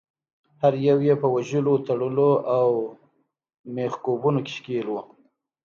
هر یو یې په وژلو، تړلو او میخکوبونو کې ښکیل وو.